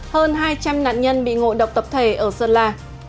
hơn hai trăm linh nạn nhân bị ngộ độc tập thể ở sơn la